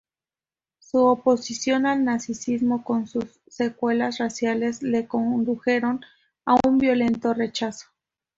Su oposición al nazismo, con sus secuelas raciales, le condujeron a un violento rechazo.